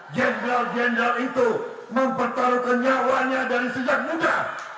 jenderal jenderal itu mempertaruhkan nyawanya dari sejak muda